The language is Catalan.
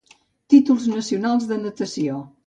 Títols nacionals de natació.